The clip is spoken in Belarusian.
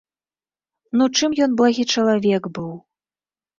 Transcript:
Ну чым ён благі чалавек быў?